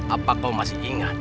apa kau masih ingat